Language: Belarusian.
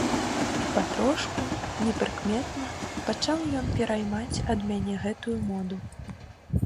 І патрошку, непрыкметна, пачаў ён пераймаць ад мяне гэтую моду.